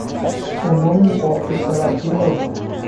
Eu não me importo se ela fez ou não.